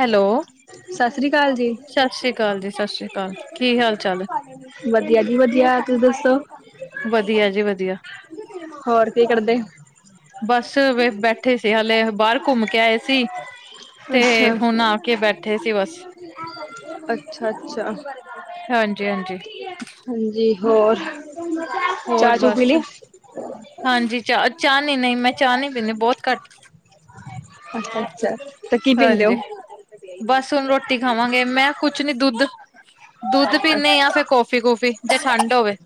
Hello ਸਤਿ ਸ੍ਰੀ ਅਕਾਲ ਜੀ। ਸਤਿ ਸ਼੍ਰੀ ਅਕਾਲ ਜੀ, ਸਤਿ ਸ਼੍ਰੀ ਅਕਾਲ। ਕੀ ਹਾਲ ਚਾਲ ਹੈ? ਵਧੀਆ ਜੀ ਵਧੀਆ, ਤੁਸੀਂ ਦੱਸੋ? ਵਧੀਆ ਜੀ ਵਧੀਆ, [unintelligible] ਹੋਰ ਕੀ ਕਰਦੇ? ਬੱਸ ਵੇ ਬੈਠੇ ਸੀ ਹਲੇੇ, ਬਾਹਰ ਘੁੰਮ ਕੇ ਆਏ ਸੀ। ਤੇ ਅੱਛਾ ਹੁਣ ਆ ਕੇ ਬੈਠੇ ਸੀ ਬਸ। [unintelligible] ਅੱਛਾ, ਅੱਛਾ [unintelligible] ਹਾਂਜੀ ਹਾਂਜੀ, ਹਾਂਜੀ ਹੋਰ ਹੋਰ ਚਾਹ ਚੂ ਬਸ ਪੀਲੀ? ਹਾਂਜੀ ਚਾਹ, ਚਾਹ ਨੀਂ ਨਈਂ ਮੈਂ ਚਾਹ ਨੀਂ ਪੀਂਦੀ, ਬਹੁਤ ਘੱਟ। ਅੱ ਅੱਛਾ ਤੇ ਕੀ ਪੀਂਦੇ ਹਾਂਜੀ, ਹੋ? ਬਸ ਹੁਣ ਰੋਟੀ ਖਾਵਾਂਗੇ। ਮੈਂ ਕੁਛ ਨੀਂ ਦੁੱਧ ਦੁੱਧ ਪੀਂਦੇ ਆਂ ਜਾਂ ਫਿਰ ਕੌਫੀ-ਕੂਫੀ, ਜੇ ਠੰਡ ਹੋਵੇ।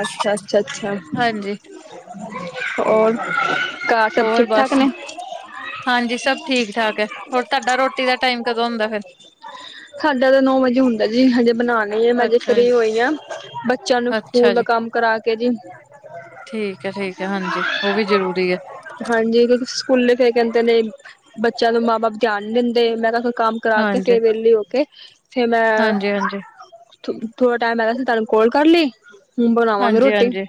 ਅੱਛਾ ਅੱਛਾ, ਅੱਛਾ। ਹਾਂਜੀ। [unintelligible] ਹੋਰ, ਘਾਰ ਸਭ ਹੋਰ ਠੀਕ-ਠਾਕ ਬਸ ਨੇਂ? ਹਾਂਜੀ, ਸਭ ਠੀਕ-ਠਾਕ ਐ। ਹੋਰ, ਤਾਡਾ ਰੋਟੀ ਦਾ ਟਾਈਮ ਕਦੋਂ ਹੁੰਦਾ ਫੇਰ? ਸਾਡਾ ਤਾਂ ਨੌ ਵਜੇ ਹੁੰਦਾ ਜੀ, ਹਜੇ ਬਣਾਨੀ ਏ, ਮੈਂ ਅਜੇ ਅੱਛਾ ਜੀ, ਫਰੀ ਹੋਈ ਆਂ, ਬੱਚਿਆਂ ਨੂੰ ਅੱਛਾ ਸਕੂਲ ਦਾ ਜੀ, ਕੰਮ ਕਰਾ ਕੇ ਜੀ। ਠੀਕ ਐ, ਠੀਕ ਐ, ਹਾਂਜੀ ਓਹ ਵੀ ਜ਼ਰੂਰੀ ਐ। ਹਾਂਜੀ, ਅਗੇ ਤੁਸ ਸਕੂਲੇ ਫੇਰ ਕੈੰਦੇ ਨੇਂ ਬੱਚਿਆਂ ਦੇ ਮਾਂ-ਬਾਪ ਧਿਆਨ ਨੀਂ ਦਿੰਦੇ‌। ਮੈਂ ਕਿਹਾ ਕੋਈ ਕੰਮ ਕਰਾਓ ਤੇ ਹਾਂਜੀ, ਫਿਰ ਵੇਲੀ ਹੋ ਕੇ ਫੇਰ ਮੈਂ ਹਾਂਜੀ, ਹਾਂਜੀ, ਥ ਥੋੜਾ ਟਾਈਮ ਹੈਗਾ ਸੀ, ਤੁਹਾਨੂੰ ਕਾਲ ਕਰ ਲੀ। ਹਾਂਜੀ ਹਾਂਜੀ।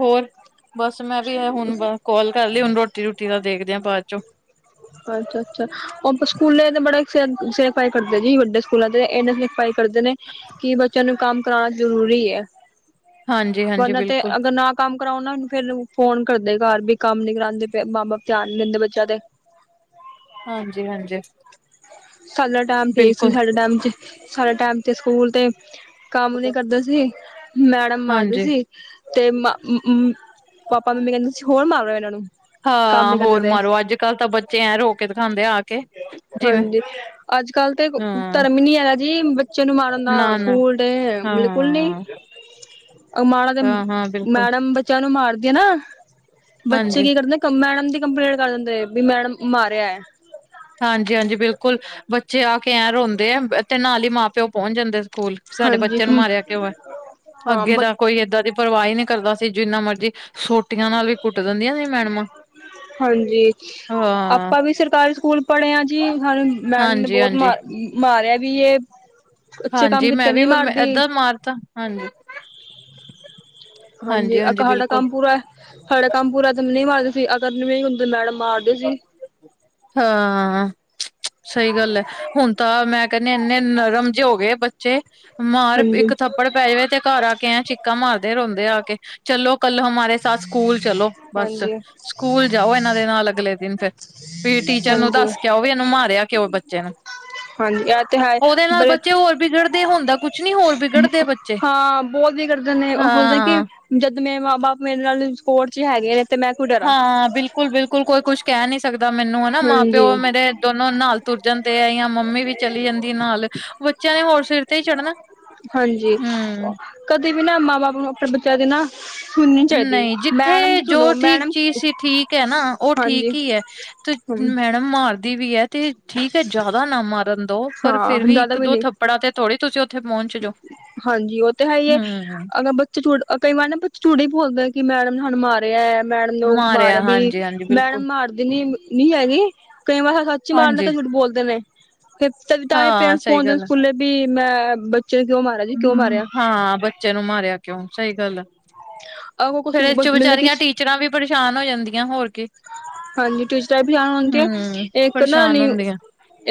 ਹੋਰ, ਬਸ ਮੈਂ ਵੀ ਐਹ ਹੁਣ ਬਾ ਕੋਲ ਕਰ ਲੀ, ਹੁਣ ਰੋਟੀ- ਰੂਟੀ ਦਾ ਦੇਖਦੇ ਆਂ ਬਾਦ ਚੋਂ। ਅੱਛਾ ਅੱਛਾ, ਅਪਾ ਸਕੂਲੇ ਤੇ ਬੜੇ ਸੇਰ, ਸੇਰਪਾਈ ਕਰਦੇ ਐ ਜੀ ਵੱਡੇ ਸਕੂਲਾਂ ਦੇ। ਏਨੇ ਸਿਰ ਖਰਾਈ ਕਰਦੇ ਨੇ, ਕਿ ਬੱਚਿਆਂ ਨੂੰ ਕੰਮ ਕਰਾਣਾ ਜ਼ਰੂਰੀ ਐ। ਹਾਂਜੀ, ਹਾਂਜੀ ਵਰਨਾ ਤੇ ਬਿਲਕੁਲ ਅਗਰ ਨਾ ਕੰਮ ਕਰਾਓ ਨਾ ਏਨੂੰ ਫੇਰ ਨੂੰ ਫੋਨ ਕਰਦੇ ਘਾਰ ਬਈ ਕਾਮ ਨੀ ਕਰਾਦੇ ਪੇ, ਮਾਂ-ਬਾਪ ਧਿਆਨ ਨੀ ਦਿੰਦੇ ਬੱਚੇਆਂ ਤੇ। ਹਾਂਜੀ ਹਾਂਜੀ। ਸਾਡਾ ਟੈਮ ਠੀਕ ਸੀ, ਬਿਲਕੁਲ ਸਾਡੇ ਟੈਮ ਚ ਸਾਡੇ ਟੈਮ ਤੇ ਸਕੂਲ ਤੇ ਕਾਮ ਨੀ ਕਰਦੇ ਸੀ, ਮੈਡਮ ਮਾਰਦੀ ਹਾਂਜੀ ਸੀ। ਤੇ ਮਾ ਉਉ ਪਾਪਾ-ਮੰਮੀ ਕੈੰਦੇ ਸੀਂ ਹੋਰ ਮਾਰੋ ਐਨਾਂ ਨੂੰ। ਕੰਮ ਹਾਂ, ਨੀ ਕਰਦੇ ਹੋਰ ਪਏ ਮਾਰੋ ਅੱਜ-ਕੱਲ੍ਹ ਤਾਂ ਬੱ ਜਿਵੇਂ ਹਾਂਜੀ, ਅੱਜ-ਕੱਲ ਤੇ ਕੋ ਹਾਂ ਧਰਮ ਨੀ ਹੈਗਾ ਜੀ ਬੱ ਬੱਚੇ ਨੂੰ ਮਾਰਨ ਨਾ ਦਾ, ਨਾ ਸਕੂਲ ਡੇ ਬਿਲਕੁਲ ਨੀ। ਹਾਂ ਅ ਮਾਡਾ ਤੇ ਹਾਂ ਹਾਂ ਬਿਲਕੁਲ ਮੈਡਮ ਬੱ ਬੱਚਿਆਂ ਨੂੰ ਮਾਰਦੀਆਂ ਨਾ, ਬੱਚੇ ਹਾਂਜੀ ਕੀ ਕਰਦੇ ਕ ਮੈਡਮ ਦੀ ਕੰਪਲੇਂਟ ਕਰ ਦਿੰਦੇ। ਬੀ ਮੈਡਮ ਮਾਰਿਐ। ਹਾਂਜੀ ਹਾਂਜੀ, ਬਿਲਕੁਲ ਬੱਚੇ ਆ ਕੇ ਐਂ ਰੋਂਦੇ ਐ ਤੇ ਨਾਲ ਹੀ ਮਾਂ-ਪਿਓ ਪੋੰਚ ਜਾਂਦੇ। ਕੂਲ ਸਾਡੇ ਹਾਂਜੀ ਬੱਚਿਆਂ ਨੂੰ ਮਾਰਿਆ ਹਾਂ ਕਿਓ ਐ? ਅੱਗੇ ਬ ਤਾਂ ਕੋਈ ਏਦਾਂ ਦੀ ਪਰਵਾਹੀ ਨੀ ਕਰਦਾ ਸੀ, ਜਿੰਨਾ ਮਰਜ਼ੀ ਸੋਟੀਆਂ ਨਾਲ ਵੀ ਕੁੱਟ ਦੰਦੀਆਂ ਨੇ। ਹਾਂਜੀ, ਹਾਂ, ਅਪਾਂ ਵੀ ਸਰਕਾਰੀ ਸਕੂਲ ਪੜ੍ਹਿਆ ਜੀ ਸਾਨੂੰ ਮੈਡਮ ਨੇ ਬੌਤ ਹਾਂਜੀ-ਹਾਂਜੀ, ਹਾਂਜੀ ਮਾਰ ਮਾਰਿਆ ਵੀ ਏ। ਹਾਂਜੀ, ਮੈਂ ਵੀ ਵ ਐਧਾ ਮਾਰ ਤਾ ਹਾਂਜੀ। ਹਾਂਜੀ, ਹਾਂਜੀ-ਹਾਂਜੀ ਅਕਹਾਡਾ ਬਿਲਕੁਲ। ਕੰਮ ਪੂਰੈ। ਸਾਡਾ ਕੰਮ ਪੂਰਾ ਤੇ ਨਹੀਂ ਮਾਰਦੇ ਸੀ, ਅਗਰ ਨਹੀਂ ਹੁੰਦੀ ਮੈਡਮ ਮਾਰਦੇ ਸੀ। ਹਾਂ, ਸਹੀ ਗੱਲ ਐ। ਹੁਣ ਤਾਂ ਮੈਂ ਕੈੰਣੀ ਇੰਨੇ ਨਰਮ ਜੇ ਹੋਗੇ ਬੱਚੇ ਮਾਰ ਹਾਂਜੀ ਇੱਕ ਥੱਪ ਪੜ ਪਰਾਈਵੇ ਤੇ ਘਰ ਆ ਕੇ ਐਂ ਚਿੱਕਾਂ ਮਾਰਦੇ ਰੋਂਦੇ ਆ ਕੇ। ਚਲੋ ਕੱਲ ਹਮਾਰੇ ਸਾਥ ਸਕੂਲ ਚਲੋ ਬਸ ਹਾਂਜੀ, ਸਕੂਲ ਜਾਓ ਐਨਾਂ ਦੇ ਨਾਲ ਅਗਲੇ ਦਿਨ ਫੇਰ। ਵੀ ਟੀਚਰ ਨੂੰ ਹਾਂਜੀ, ਦੱਸ ਕੇ ਆਓ, ਵੀ ਐਨੂੰ ਮਾਰਿਆ ਕਿਉ ਬੱਚੇ ਨੂੰ। ਹਾਂਜੀ, ਐ ਤੇ ਹੈ। ਓਹਦੇ ਨਾਲ ਬੜੇ ਬੱਚੇ ਹੋਰ ਬਿਗੜਦੇ ਹੁੰਦਾ ਕੁਛ ਨੀ ਹੋਰ ਬਿਗੜਦੇ ਐ ਬੱ ਹਾਂ, ਬੋਤ ਵਿਗੜਦੇ ਨੇ ਓਹ ਸੋਹਦੇ ਕਿ ਜਦ ਮੇਰ ਮਾਂ-ਬਾਪ ਮੇਰੇ ਨਾਲ ਸਪੋਟ ਚ ਹੈਗੇ ਨੇ ਤੇ ਮੈਂ ਕਿਉਂ ਡਰਾਂ। ਹਾਂ, ਬਿਲਕੁਲ ਬਿਲਕੁਲ ਕੋਈ ਕੁਛ ਕੈਹ ਨੀ ਸਕਦਾ ਮੈਨੂੰ ਹਨਾ, ਹਾਂਜੀ, ਮਾਂ-ਪਿਓ ਮੇਰੇ ਦੋਨੋ ਨਾਲ ਤੁਰ ਜਾਂਦੇ ਹੈ ਯਾ ਮੰਮੀ ਵੀ ਚਲੀ ਜਾਂਦੀ ਏ ਨਾਲ ਬੱਚਿਆਂ ਨੇ ਹੋਰ ਸਿਰ ਤੇ ਹੀ ਚੜਨੈ। ਹਾਂਜੀ, ਕਦੀ ਵੀ ਨਾ ਮਾਂ-ਬਾਪ ਨੂੰ ਅਪਣੇ ਬੱਚਿਆਂ ਦੇ ਨਾ ਸੁਣਨੀ ਚਾਹੀਦੀ। ਨਹੀਂ, ਮੈਡਮ ਜਿੱਥੇ ਦੀ ਜੋ ਸੁਣੋ ਠੀਕ ਮੈਡਮ ਚੀਜ਼ ਸੀ ਠੀਕ ਹੈ ਨਾ ਓਹ ਹਾਂਜੀ, ਠੀਕ ਹੀ ਐ। ਤ ਮੈਂ ਡਮ ਮਾਰਦੀ ਵੀ ਐ, ਤੇ ਠੀਕ ਹੈ ਜੈਦਾ ਨਾ ਮਾਰਨ ਦੋ ਪਰ ਫੇਰ ਹਾਂ ਵੀ ਜ਼ਿਆਦਾ ਇੱਕ-ਦੋ ਨੀ। ਥੱਪ ੜਾ ਤੇ ਥੋੜ੍ਹੀ ਤੁਸੀਂ ਔਥੇ ਪੌੰਚ ਜੋ। ਹੂੰ ਹੂੰ। ਚ ਚੂਡ ਅ ਕਈ ਵਾਰ ਨਾ ਬੱਚੇ ਚੂਡ ਈ ਬੋਲਦੈ ਕਿ ਮੈਡਮ ਨੇ ਸਾਨ ਮਾਰ ਰਿਹਾ ਮੈਡਮ ਨੂੰ ਮਾਰਿਆ ਮਾਰ ਵੀ ਹਾਂਜੀ ਹਾਂਜੀ ਮੈਡਮ ਬਿਲਕੁਲ ਮਾਰਦੇ ਨ ਨੀ ਹੈਗੀ। ਕਈ ਵਾਰ ਸੱਚੀ ਮਾਰ ਨਾਲ ਹਾਂਜੀ ਕ ਬੋਲਦੇ ਨੇ। ਫਿਰ ਤ ਤਾਂ ਹੀ ਹਾਂ ਪੇਰੈਂਟਸ ਸਹੀ ਪਹੁੰਚਦੇ ਨੇ ਗੱਲ ਹੈ ਸਕੂਲੇ ਵੀ ਮੈਂ ਬੱਚੇ ਨੂੰ ਕਿਉਂ ਮਾਰਿਆ ਜੀ ਕਿਉਂ ਹੂੰ, ਮਾਰਿਆ। ਹਾਂ ਬੱਚੇ ਨੂੰ ਮਾਰਿਆ ਕਿਉਂ ਸਹੀ ਗੱਲ ਆ ਅਗੋ ਕੁਛ ਫੇਿਰ ਇਹ ਚੋਂ ਮਤਲਬ ਕਿ ਵਿਚਾਰੀਆਂ। ਮਰਾਂ ਵੀ ਪਰੇਸ਼ਾਨ ਹੋ ਜਾਂਦੀਆਂ ਹੋਰ ਕੇ। ਹਾਂਜੀ ਟਿਚ ਵੀਣ ਆਉਦੀ ਆ ਨਾ ਨ। ਪਰੇਸ਼ਾਨ ਹੁੰਦੀਆਂ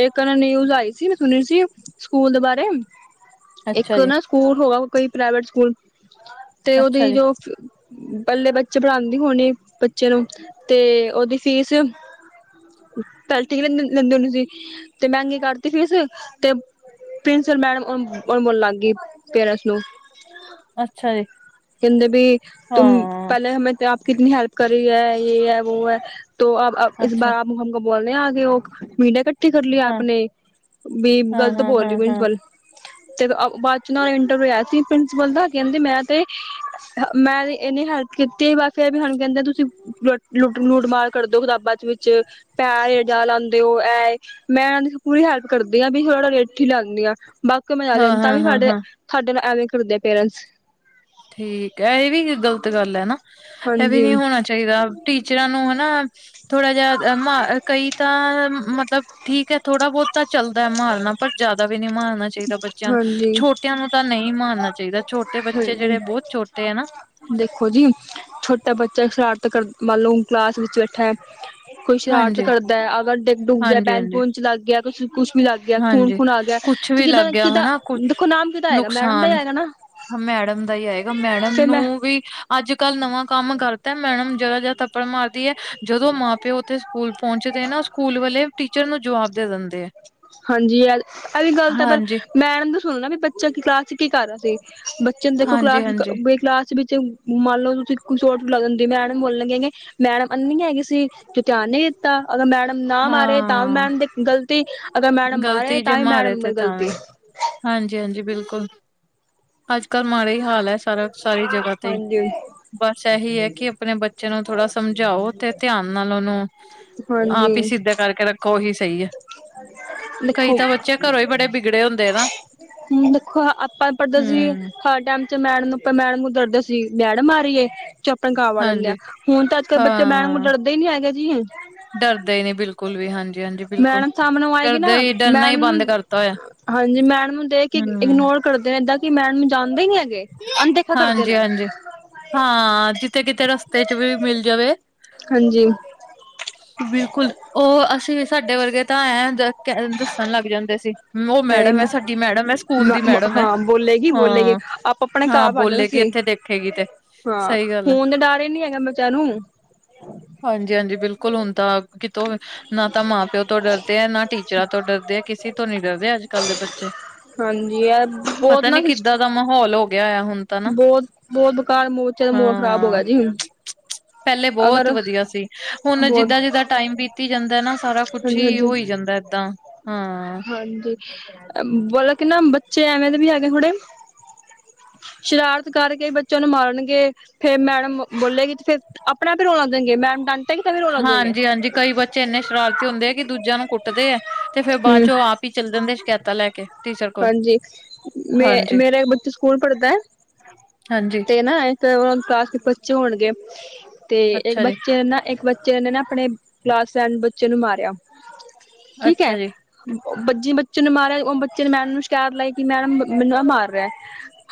ਇੱਕ ਨਾ ਨਿਊਜ਼ ਆਈ ਸੀ ਮੈਂ ਸੁਣੀ ਸੀ ਸਕੂਲ ਦੇ ਬਾਰੇ ਅੱਛਾ ਇੱਕ ਜੀ, ਨਾ। ਸਕੂਲ ਹੋਗਾ ਕੋਈ ਪ੍ਰਾਈਵੇਟ ਸਕੂਲ ਤੇ ਅੱਛਾ ਉਹਦੀ ਜੀ, ਜੋ। ਬੱਲੇ ਬੱਚੇ ਪੜਾਉਂਦੀ ਹੋਣੀ ਬੱਚੇ ਨੂੰ ਤੇ ਉਹਓਦੀ ਫੀਸ। ਪਲ ਕ ਲ ਲੈਂਦੇ ਹੁੰਦੇ ਸੀ ਤੇ ਮਹਿੰਗੀ ਕਰਤੀ ਫੀਸ ਤੇ। ਪ੍ਰਿੰਸੀਪਲ ਮੈਡਮ ਬੋਲਣ ਲੱਗ ਗਈ ਪੇਰੈਂਟਸ ਨੂੰ। ਅੱਛਾ ਜੀ, ਕਹਿੰਦੇ ਵੀ ਤੁਮ ਹਾਂ ਪਹਿਲੇ- ਕਿਤਨੀ ਹੈਲਪ ਕਰ ਰੀ ਹੈ ਯ ਹੈ ਵੋ ਹੈ ਅ ਇਸ ਅੱਛਾ ਬਾਰ। ਮੰਗਵਾਉਨੇ ਆਂ ਉਹ ਕਰ ਲਈ ਹਾਂ, ਆਪ ਨੇ ਵੀ ਹਾਂ, ਗਲਤ ਹਾਂ, ਬੋਲ ਰਹੀ ਹਾਂ, ਹਾਂ। ਪ੍ਰਿੰਸੀਪਲ ਤੇ ਬਾਅਦ ਚ ਇੰਟਰਵਿਊ ਆਇਆ ਸੀ ਪ੍ਰਿੰਸੀਪਲ ਦਾ ਕਹਿੰਦੇ ਮੈਂ ਤੇ। ਮੈਂ ਇਹਨੀੇ ਹੈਲਪ ਕੀਤੀ ਵ ਫੇਿਰ ਵੀ ਹੁਣ ਕਹਿੰਦੇ ਤੁਸੀਂ ਲੁ ਲੁਟ ਲੁਟਮਾਰ ਕਰਦੋ ਕਿਤਾਬਾਂ ਚ। ਵਿੱਚ ਪੈਰ ਜਾ ਲਾਦੇ ਹੋ। ਮੈਂ ਇਹਨਾਂ ਦੀ ਪੂਰੀ ਹੈਲਪ ਕਰਦੀ ਹਾਂ ਵੀ ਥੋੜ ਰੇਠ ਹੀ ਲਾਉਦੀ ਹਾਂ ਬਾਕੀ ਮਾ ਹਾਂ, ਲਦੇ ਤਾਂ ਹਾਂ, ਵੀ ਹਾਂ, ਸਾਡੇ ਹਾਂ। ਤੁਹਾਡੇ ਨਾਲ ਐਵੇਂ ਕਰਦੇ ਪੇਰੈਂਟਸ ਠੀਕ ਹੈ ਇਹ ਵੀ ਗ਼ਲਤ ਗੱਲ ਹੈ ਨਾ ਇਹ ਵੀ ਹਾਂਜੀ ਨੀ ਹੋਣਾ ਦਾ। ਚਾਹੀਦਾ ਟੀਚਰਾਂ ਨੂੰ ਹਨਾ ਥੋੜਾ ਜਹਾ ਮ ਕਈ ਤਾਂ ਮਤਲਬ ਠੀਕ ਹੈ ਥੋੜ੍ਹਾ ਬਹੁਤ ਤਾਂ ਚੱਲਦਾ ਮਾਰਨਾ ਪਰ ਜ਼ਿਆਦਾ ਵੀ ਨਹੀਂ ਮਾਰਨਾ ਚਾਹੀਦਾ ਬੱਚਿਆਂ ਨੂੰ ਹਾਂਜੀ ਛੋਟ। ਬੱਚਿਆਂ ਨੂੰ ਤਾਂ ਨਹੀਂ ਮਾਰਨਾ ਚਾਹੀਦਾ ਛੋਟੇ ਬੱਚੇ ਹਾਂਜੀ ਜਿਹੜੇ ਬਹੁਤ ਛੋਟੇ ਹੈ ਨਾ। ਦੇਖੋ ਜੀ ਛੋਟਾ ਬੱਚਾ ਸ਼ਰਾਰਤ ਕਰ ਮੰਨ ਲਓ ਕਲਾਸ ਵਿੱਚ ਬੈਠਾ। ਕੋਈ ਸ਼ਰਾਰਤ ਹਾਂਜੀ ਕਰਦਾ ਅਗਰ ਡਿੱਗ ਡੁੱਗ ਗਿਆ ਹਾਂਜੀ ਬੈਂਚ ਹਾਂਜੀ ਬੂਨ ਚ ਲੱਗ ਗਿਆ ਕੁੱਛ ਵੀ ਲੱਗ ਗਿਆ। ਗਿਆ ਖੂਨ ਹਾਂਜੀ ਖੂਨ ਆ ਗਿਆ ਕੁਛ ਤੇ ਵੀ ਕਿਦ ਲੱਗ ਨਾ ਗਿਆ ਕਿਾਂ ਹਨਾ ਕੁਛ ਦੇਖੋ ਨਾਮ ਕਿਾਂ ਹੈਗਾ ਮੈਡਮ ਦਾ ਨੁਕਸਾਨ ਹੈਗਾ ਨਾ। ਮੈਡਮ ਦਾ ਹੀ ਆਏਗਾ ਮੈਡਮ ਫਿਰ ਨੂੰ ਮੈਂ ਵੀ ਅੱਜ ਕੱਲ ਨਵਾਂ ਕੰਮ ਕਰ। ਤਾਂ ਮੈਡਮ ਜ੍ਹਦਾ ਜਾ ਥਪੜ ਮਾਰਦੀ ਹੈ ਜਦੋਂ ਮਾਂ ਪਿਓ ਉੱਥੇ। ਸਕੂਲ ਪਹੁੰਚਦੇ ਨਾ ਸਕੂਲ ਵਾਲੇ ਟੀਚਰ ਨੂੰ ਜਵਾਬ ਦੇ ਦਿੰਦੇ ਆ। ਹਾਂਜੀ ਇਹ ਵੀ ਗੱਲ ਤਾਂ ਪਰ ਹਾਂਜੀ ਮੈਡ ਦੱਸਣ ਨਾ ਵੀ ਬੱਚਾ ਕੀ ਕਲਾਸ ਚ ਕੀ ਕਰ ਰਿਹਾ ਸੀ। ਚ ਦੇਖੋ ਹਾਂਜੀ ਕਲਾਸ ਹਾਂਜੀ ਕਲਾਸ ਵਿੱਚ ਮੰਨ ਲਓ ਤੁਸੀਂ ਸੋ ਰੁਪ ਲੱਗ ਹੁੰਦੀ ਮੈਂ ਬੋਲਣ ਕਿੰਗੇ ਮੈਡਮ ਅੰਨੀ ਹੈਗੀ ਸੀ ਜ ਧਿਆਨ ਕੀਤਾ ਅਗਰ ਮੈਡਮ ਨਾ ਮਾਰੇ ਤਾਂ ਵੀ ਹਾਂ ਮੈਡਮ ਦੀ ਗ਼ਲਤੀ। ਅਗਰ ਮੈਡਮ ਮਾਰੇ ਗ਼ਲਤੀ ਜੇ ਤਾਂ ਹੀ ਮਾਰੇ ਤੇ ਮੈਡਮ ਗਲਤੀ ਤਾਂਵੇਂ ਹਾਂਜੀ ਹਾਂਜੀ ਬਿਲਕੁਲ ਅੱਜ ਕੱਲ ਮਾੜਾ ਹੀ ਹਾਲ ਹੈ। ਸਾਰਾ ਸਾਰੀ ਜਗ੍ਹਾ ਤੇ ਹਾਂਜੀ ਬਸ ਇਹੀ ਹੈ ਕਿ ਆਪਣੇ ਬੱਚੇ ਨੂੰ ਥੋੜ੍ਹਾ ਸਮਝਾਓ ਤੇ ਧਿਆਨ ਨਾਲ ਉਹਨੂੰ ਆਪੀ ਸਿੱਧੇ ਕਰਕੇ ਰੱਖੋ ਉਹੀ ਸਹੀ ਹੈ। ਕਈ ਲਿਖੋ ਤਾਂ ਬੱਚੇ ਹ ਘਰੋਂ ਹੀ ਬੜੇ ਬਿਗੜੇ ਹੁੰਦੇ ਨਾ ਦੇਖੋ ਆਪਾਂ ਪੜ੍ਹਦਾ ਸੀ ਹਮ ਹਰ ਟਾਈਮ। ਮੈਡ ਨੂੰ ਆਪਾਂ ਮੈਡਮ ਨੂੰ ਦਰਦ ਸੀ ਮੈਡਮ ਆ ਰਈ ਏ ਆਪਣੇ ਗਾਵਾ ਲੈਂਦੇ ਆ ਹਾਂਜੀ ਹੁਣ ਤਾਂ ਅੱਜ ਕੱਲ ਬੱਚੇ ਮੈਡਮ ਤੋਂ ਹਾਂ ਡਰਦੇ ਦ ਹੀ ਨੀ ਹੈਗੇ ਜੀ। ਡਰਦੇ ਹੀ ਨਹੀਂ ਬਿਲਕੁਲ ਵੀ ਹਾਂਜੀ ਹਾਂਜੀ ਬਿਲਕੁਲ ਮੈਡਮ ਸਾਹਮਣੇ ਆਏਗੀ ਨਾ ਡਰਦਾ ਹੀ ਡਰਨਾ ਹੀ ਮੈਡਮ ਬੰਦ ਨੂੰ ਕਰਤਾ ਹੋਇਆ। ਹਾਂਜੀ ਮੈਡ ਨੂੰ ਦੇਖ ਕੇ ਹਮ ਇਗਨੋਰ ਕਰਦੇ ਨੇ ਇਏਦਾਂ ਕਿ ਮੈਡ ਨੂੰ ਜਾਂਣਦੇ ਨੀ ਹੈਗੇ। ਅਣਦੇਖਾ ਕਰਦੇ ਹਾਂਜੀ ਨੇ। ਹਾਂਜੀ ਹਾਂ, ਜਿੱਥੇ ਕਿਤੇ ਰਸਤੇ ਚ ਵੀ ਮਿਲ ਜਾਵੇ। ਹਾਂਜੀ, ਬਿਲਕੁਲ ਉਹ ਅਸੀਂ ਵੀ ਸਾਡੇ ਵਰਗੇ ਤਾਂ ਐਂ ਦੱਸਣ ਲੱਗ ਜਾਂਦੇ ਸੀ। ਉਹ ਹੈ ਮੈਡਮ ਸਾਡੀ ਮੈਡਮ ਹੈ ਸਕੂਲ ਦੀ ਮੈਡਮ ਹੈ ਹਾਂ ਬੋਲੇਗੀ ਬੋਲੇਗੀ ਹਾਂ ਆਪ ਆਪ ਆਪਣੇ ਹਾਂ ਘਾਹ ਫੜਨ ਬੋਲੇਗੀ ਸੀ। ਇੱਥੇ ਦੇਖੇਗੀ ਤੇ ਹਾਂ ਸਹੀ ਗੱਲ ਹੈ ਹੁਣ ਤੇ ਡਰ ਹੀ ਨੀ ਹੈਗਾ ਬਚਨ ਨੂੰ। ਹਾਂ। [inaudible] ਹਾਂਜੀ-ਹਾਂਜੀ, ਬਿਲਕੁਲ ਹੁਣ ਤਾਂ। ਕਿਤੋਂ ਨਾ ਤਾਂ ਮਾਂ ਪਿਓ ਤੋਂ ਡਰਦੇ ਹੈ। ਨਾ ਟੀਚਰਾਂ ਤੋਂ ਡਰਦੇ ਆ। ਕਿਸੇ ਤੋਂ ਨੀ ਡਰਦੇ ਅੱਜ ਕੱਲ੍ਹ ਦੇ ਬੱਚੇ। ਹਾਂਜੀ ਇਹ ਬਹੁਤ ਪਤਾ ਨੀ ਕਿੱਦਾਂ ਦਾ ਮਾਹੌਲ ਹੋ ਗਿਆ ਹੁਣ। ਤਾਂ ਨਾ ਬਹੁਤ-ਬਹੁਤ ਬਕਾਰ ਮੋਰਚੇ ਦਾ ਮੋਲ ਖਰਾਬ ਹੋ ਹਾਂ, ਗਿਆ ਜੀ। ਪਹਿਲੇ ਬਹੁਤ ਅਗਰ ਵਧੀਆ ਸੀ। ਹੁਣ ਬਹੁਤ ਜਿੱਦਾਂ-ਜਿੱਦਾਂ ਟਾਈਮ ਬੀਤੀ ਜਾਂਦਾ ਨਾ। ਸਾਰਾ ਕੁਛ ਹਾਂਜੀ ਹੀ। ਹਾਂਜੀ ਹੋਈ ਜਾਂਦਾ ਏਦਾਂ ਹਾਂ। ਹਾਂਜੀ ਬਤਲਬ ਕਿ ਨਾ ਬੱਚੇ ਐਵੇਂ ਦੇ ਵੀ ਹੈਗੇ ਹਥੜੇ ਸ਼ਰਾਰਤ ਕਰਕੇ ਬੱਚਿਆਂ ਨੂੰ ਮਾਰਨਗੇ। ਫੇਰ ਮੈਡਮ ਬੋਲੇਗੀ ਤੇ। ਫੇਰ ਆਪਣਾ ਵੀ ਰੋਲਾ ਦੇਣਗੇ ਮੈਡ ਤਾਂ ਹਾਂਜੀ-ਹਾਂਜੀ ਕਈ ਬੱਚੇ ਇੰਨੇ ਸ਼ਰਾਰਤੀ ਹੁੰਦੇ ਹੈ। ਕਿ ਦੂਜਿਆਂ ਨੂੰ ਕੁੱਟਦੇ ਹੈ। ਤੇ ਫੇਰ ਬਾਅਦ ਹੂੰ ਚੋਂ ਆਪ ਚੱਲ ਜਾਂਦੇ ਸ਼ਿਕਾਇਤਾਂ ਲੈ ਕੇ। ਟੀਚਰ ਕੋਲ। ਹਾਂਜੀ, ਮੇ ਹਾਂਜੀ-ਹਾਂਜੀ, ਮੇਰੇ ਇੱਕ ਬੱਚਾ ਸਕੂਲ ਪੜਦਾ ਤੇ ਨਾ ਐ ਫੇਰ ਉਨਾ ਨੂੰ ਕਲਾਸ ਚ ਬੱਚੇ ਹੋਣਗੇ, ਤੇ ਇੱਕ ਅੱਛਾ ਜੀ, ਬੱਚੇ ਨੇ ਨਾ ਇੱਕ ਬ ਤੇ ਐਨੇ ਨਾ ਅਪਣੇ ਕਲਾਸ ਫੈਂਡ ਬੱਚੇ ਨੂੰ ਮਾਰਿਆ, ਠੀਕ ਐ। ਅੱਛਾ ਜੀ, ਓ ਬੱਚ ਜਿਵੇਂ ਬੱਚੇ ਨੂੰ ਮਾਰਿਆ ਉਹ ਬੱਚੇ ਨੇ ਮੈਮ ਨੂੰ ਸ਼ਿਕਾਇਤ ਲਾਈ ਕਿ ਮੈਡਮ ਮੈਨੂੰ ਐ ਮਾਰ ਰਿਆ।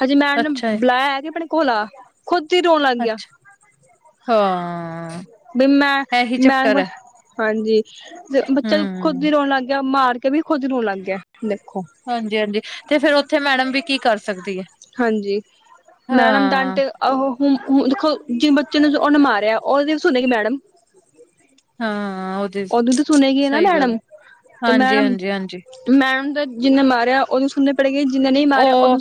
ਹਜੇ ਮੈਮ ਨੇ ਅੱਛਾ ਜੀ, ਬੁਲਾਇਆ ਐ ਕਿ ਅਪਣੇ ਕੋਲ ਆ ਖੁਦ ਈ ਰੋਣ ਲੱਗ ਗਿਆ। ਅੱਛਾ ਹਾਂ। ਬਈ ਮੈਂ, ਇਹੀ ਚੱਕਰ ਮੈਂ ਐ, ਹਾਂਜੀ ਤੇ ਬੱਚਾ ਖੁੱਦ ਹੂੰ। ਈ ਰੋਣ ਲੱਗ ਗਿਆ ਮਾਰ ਕੇ ਕਿ ਵੀ ਖੁੱਦ ਰੋਨ ਲੱਗ ਗਿਆ ਦੇਖੋ। ਹਾਂਜੀ-ਹਾਂਜੀ ਤੇ ਫਿਰ ਓਥੇ ਮੈਡਮ ਵੀ ਕੀ ਕਰ ਸਕਦੀ ਐ, ਹਾਂ ਆਹੋ ਹੁਣ-ਹੁਣ ਦੇਖੋ ਜਿਨ ਬੱਚੇ ਨੂੰ ਉਨੇ ਮਾਰਿਆ ਉਦੀ ਵੀ ਸੁਣੇਗੀ ਮੈਡਮ ਹਾਂ। ਓਦੀ ਤੇ ਸੁਣੇਗੀ ਨਾ ਮੈਡਮ ਤੇ ਮੈਡਮ ਹਾਂਜੀ-ਹਾਂਜੀ, ਹਾਂਜੀ ਹਾਂਜੀ, ਮੈਡਮ ਦਾ ਜਿਨੇ ਮਾਰਿਆ ਉਨੂੰ ਸੁਣੇ ਓ,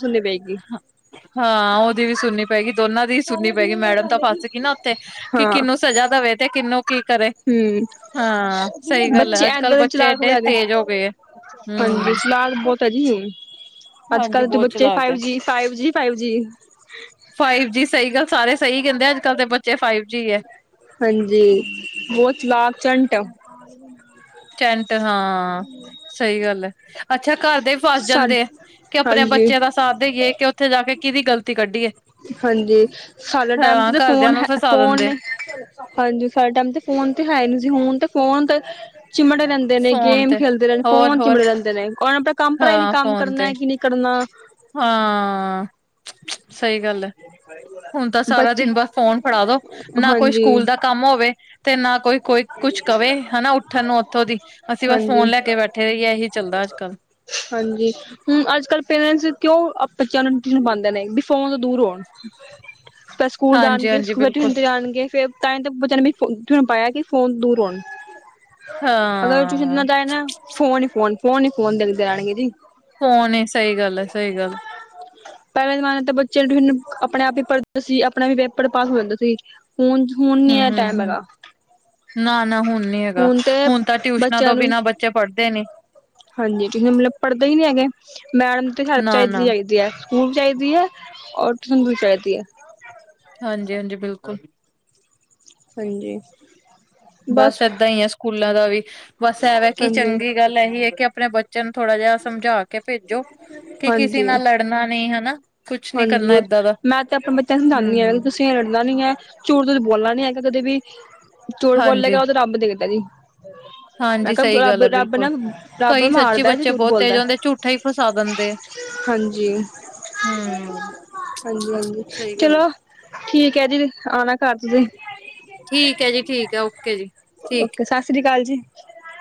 ਹਾਂ ਉਦੀ ਵੀ ਸੁਣਨੀ ਪਏਗੀ ਦੋਨਾਂ ਦੀ ਸੁਣਨੀ ਪਏਗੀ ਮੈਡਮ ਤਾਂ ਫਸ ਗਈ ਨਾ ਉੱਥੇ ਕਿ ਹਾਂ ਕਿਨੂੰ ਸਜ਼ਾ ਦੇਵੇ ਤੇ ਕਿਨੂੰ ਕੀ ਕਰੇ ਹਮ ਹਾਂ, ਸਈ ਗੱਲ ਬੱਚੇ ਐ। ਅੱਜ-ਕੱਲ ਏਦਾਂ ਦੇ ਬੱਚੇ ਚਲਾਕ ਏਡੇ ਹੋਇਆ ਤੇਜ਼ ਹੋ ਗਏ ਐ। ਹਾਂਜੀ, ਲਾਡ ਬੌ ਤਰੀਏ ਹਾਂਜੀ ਅੱਜ-ਕੱਲ ਦੇ ਬਹੁਤ ਬੱਚੇ। ਚਲਾਕ ਫਾਈਵ ਹੈ ਜੀ, five G, five G five G ਸੲਈ ਗੱਲ ਸਾਰੇ ਸਈ ਕੈਂਦੇ ਆ, ਅੱਜ-ਕੱਲ ਦੇ ਬੱਚੇ ਫਾਈਵ ਜੀ ਐ। ਹਾਂਜੀ, ਬੌਤ ਚਲਾਕ, ਚੰਟ [inaudible] ਚਂਟ ਹਾਂ। ਸਈ ਗੱਲ ਐ, ਅੱਛਾ, ਘਰ ਦੇ ਵੀ ਫਸ ਸਾਡ ਜਾਂਦੇ ਆ ਕਿ ਅਪਣੇ ਹਾਂਜੀ ਬੱਚਿਆਂ ਦਾ ਸਾਥ ਦੇਈਏ ਕਿ ਉੱਥੇ ਜਾ ਕੇ ਕਿੱਦੀ ਗਲਤੀ ਕੱਢੀਏ। ਹਾਂਜੀ ਸਾਲੇ ਟੈਮ ਚ ਹਾਂ ਤਾਂ ਘਰਦਿਆਂ ਫੋਨ ਨੂੰ ਹੈ ਫਸਾ ਫੋਨ ਦਿੰਦੇ ਨਈ ਹਾਂਜੀ, ਸਾਡੇ ਟੈਮ ਤੇ ਫੋਨ ਤੇ ਹੈ ਨੀ ਸੀ, ਹੁਣ ਤੇ ਫੋਨ ਤੇ ਚਿਮੜੇ ਰੈਂਦੇ ਨੇ, ਫੋਨ ਗੇਮ ਤੇ ਖੇਲਦੇ ਰੈਣ, ਹੋਰ ਫੋਨ ਹੋਰ ਚਿਮੜੇ ਰੈਂਦੇ ਨੇ। ਉਨਾ ਨੁ ਅਪਣਾ ਕੰਮ ਪਤਾ ਈ ਨੀ ਹਾਂ ਕੰਮ ਫੋਨ ਤੇ ਕਰਨਾ ਕਿ ਨਈ ਕਰਨਾ। ਹਾਂ, ਸਈ ਗੱਲ ਐ। ਹੁਣ ਤਾਂ ਸਾਰਾ ਬੱਚੇ ਦਿਨ ਬਸ ਫੋਨ ਫੜਾ ਦੋ। ਨਾ ਕੋਈ ਹਾਂਜੀ ਸਕੂਲ ਦਾ ਕੰਮ ਹੋਵੇ ਤੇ ਨਾ ਕੋਈ-ਕੋਈ ਕੁਛ ਕਵੇ ਹੈਨਾ ਉੱਠਣ ਨੂੰ ਉੱਥੋਂ ਦੀ ਅਸੀਂ ਬਸ ਹਾਂਜੀ ਫੋਨ ਲੈ ਕੇ ਬੈਠੇ ਰਈਏ ਏਹੀ ਚੱਲਦਾ ਅੱਜ ਕੱਲ। ਹਾਂਜੀ, ਹੁਣ ਅੱਜ-ਕੱਲ ਪੇਰੈਂਟਸ ਕਿਉਂ ਅਪ ਬੱਚਿਆਂ ਨੂੰ ਟਿਊਸ਼ਨ ਪਾਂਦੇ ਨੇ ਵੀ ਫੋਨ ਤੋਂ ਦੂਰ ਹੋ। ਫੇਰ ਸਕੂਲ ਹਾਂਜੀ ਜਾਣਗੇ ਹਾਂਜੀ ਫਿਰ ਬਿਲਕੁਲ ਟਿਊਸ਼ਨ ਤੇ ਜਾਣਗੇ ਫੇਰ ਤਾਂਈ ਤੇ ਬੱਚਿਆਂ ਨੇ ਵੀ ਟੀਉਸ਼ਨ ਪਾਇਆ ਕਿ ਫੋਨ ਦੂਰ ਹੋਣ। ਅਗਰ ਓ ਟਿਉਸ਼ਨ ਹਾਂ ਨਾ ਜਾਏ ਨਾ ਫੋਨ ਈ ਫੋਨ, ਫੋਨ ਈ ਫੋਨ ਦੇਖਦੇ ਰਹਿਣਗੇ ਜੀ। ਫੋਨ ਏ ਸਈ ਗੱਲ ਐ, ਸਈ ਗੱਲ ਐ। ਪੈਲੇ ਜਮਾਨੇ ਤਾਂ ਬੱਚਿਆਂ ਨੂੰ ਟਿਉਸ਼ਨ ਅਪਣੇ ਆਪ ਈ ਪੜਦੇ ਸੀ ਅਪਣਾ ਵੀ ਪੇਪਰ ਪਾਸ ਹੋ ਜਾਂਦੇ ਸੀ। ਹੁਣ, ਹੁਣ ਨੀ ਐ ਟੈਮ ਹੈਗਾ। ਨਾ-ਨਾ ਹੁਣ ਨੀ ਹੈਗਾ। ਹੁਣ ਤਾਂ ਟਿਊਸ਼ਨਾਂ ਬੱਚਿਆਂ ਤੋਂ ਨੂੰ ਬਿਨਾਂ ਬੱਚੇ ਪੜ੍ਹਦੇ ਨੇ ਹਾਂਜੀ, ਟਿਉਸ਼ਨ ਮਤਲਬ ਪੜਦੇ ਈ ਨਈ ਹੈਗੇ, ਮੈਡਮ ਤੇ ਹੈਲਪ ਨਾ ਨਾ ਚਾਈਦੀ-ਚਾਈਦੀ ਐ। ਸਕੁਲ ਚਾਈਦੀ ਐ ਓਰ ਟਿਉਸ਼ਨ ਵੀ ਚਾਈਦੀ ਐ। ਹਾਂਜੀ-ਹਾਂਜੀ, ਬਿਲਕੁਲ। ਸਈ ਏ। ਬਸ ਏਦਾਂ ਈ ਐ ਸਕੂਲਾਂ ਦਾ ਵੀ ਬਸ ਐਵੇਂ ਕੀ ਹਾਂਜੀ ਚੰਗੀ ਗੱਲ ਇਹੀ ਹੈ ਕਿ ਅਪਣੇ ਬੱਚੇ ਨੂੰ ਥੋੜਾ ਜਾ ਸਮਝਾ ਕੇ ਪੇਜੋ ਕਿ ਕਿਸੇ ਹਾਂਜੀ ਨਾਲ ਲੜ ਨਾ ਨਈ ਹੈਨਾ। ਹਾਂਜੀ, ਓ ਮੈਂ ਤੇ ਅਪਣੇ ਬੱਚਿਆਂ ਨੂੰ ਸਮਝਾਨੀ ਆ ਹੂੰ, ਤੁਸੀਂ ਲੜਨਾ ਨੀ ਐ, ਝੂਟ ਤੁਸੀ ਬੋਲਣਾ ਨੀ ਐਗਾ ਕਦੇ ਵੀ ਝੁਠ ਹਾਂਜੀ, ਬੋਲੇਗਾ ਉੱਦੇ ਰੱਬ ਦੇਖਦਾ ਜੀ। ਮੈਂ ਹਾਂਜੀ ਕਿਹਾ ਸਹੀ ਰੱਬ ਗੱਲ ਐ ਰੱਬ ਨਾ ਬਿਲਕੁਲ। ਰੱਬ ਕਈ ਸੱਚੀ ਮਾਰਦਾ ਬੱਚੇ ਜਰੂਰ ਬਹੁਤ ਤੇਜ਼ ਬੋਲਦਾ ਹੁੰਦੇ ਝੂਠਾ ਹੀ ਫਸਾ ਦਿੰਦੇ ਆ, ਹਾਂਜੀ ਹੂੰ। ਹਾਂਜੀ-ਹਾਂਜੀ ਸਹੀ ਗੱਲ, ਚਲੋ ਠੀਕ ਹੈ। ਜੀ ਆਉਣਾ ਘਰ ਤੁਸੀਂ ਠੀਕ ਹੈ ਜੀ ਠੀਕ ਹੈ ਓਕੇ ਜੀ ਠੀਕ ਓਕੇ ਸਤਿ ਸ੍ਰੀ ਅਕਾਲ ਜੀ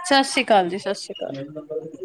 ਸਤਿ ਸ੍ਰੀ ਅਕਾਲ ਜੀ ਸਤਿ ਸ਼੍ਰੀ ਅਕਾਲ